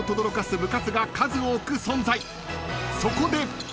［そこで］